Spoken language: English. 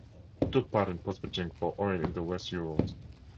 He took part in prospecting for oil in the West Urals.